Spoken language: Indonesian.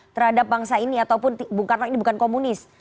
terhadap bangsa ini ataupun bung karno ini bukan komunis